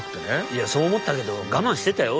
いやそう思ったけど我慢してたよ